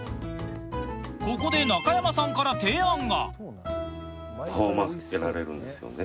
ここで中山さんからパフォーマンスやられるんですよね？